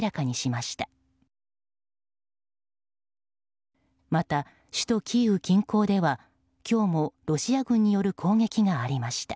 また首都キーウ近郊では今日もロシア軍による攻撃がありました。